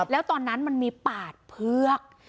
แล้วตอนนั้นมันมี๘เผือก